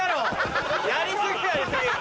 やり過ぎやり過ぎ！